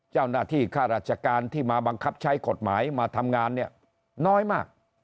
เจ้าหน้าที่ข้าราชการที่มาบังคับใช้กฎหมายมาทำงานน้อยมาก